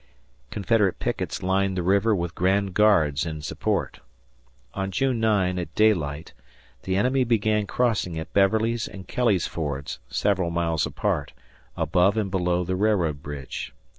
Confederate pickets lined the river with grand guards in support. On June 9, at daylight, the enemy began crossing at Beverly's and Kelly's fords several miles apart, above and below the railroad bridge.